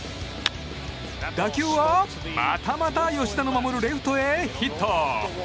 打球は、またまた吉田の守るレフトへヒット。